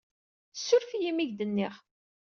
Ssuref-iyi imi ay ak-d-nniɣ.